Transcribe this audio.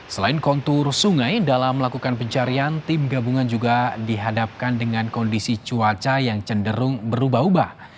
selain kontur sungai dalam melakukan pencarian tim gabungan juga dihadapkan dengan kondisi cuaca yang cenderung berubah ubah